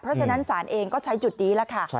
เพราะฉะนั้นศาลเองก็ใช้จุดนี้แหละค่ะ